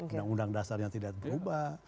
undang undang dasarnya tidak berubah